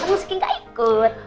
terus miss kiki nggak ikut